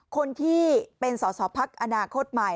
คนที่เป็นสอสอพักอนาคตใหม่